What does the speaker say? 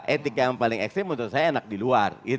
etika yang paling ekstrim menurut saya enak di luar